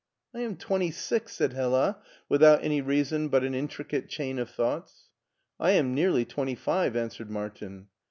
" I am twenty six," said Hella, without any reason but an intricate chain of thoughts. "I am nearly twenty five," answered Martin.